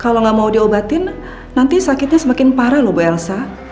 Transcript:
kalau nggak mau diobatin nanti sakitnya semakin parah loh bu elsa